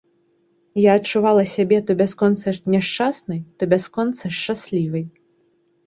Я адчувала сябе то бясконца няшчаснай, то бясконца шчаслівай.